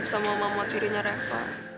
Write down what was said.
sama mamut dirinya reva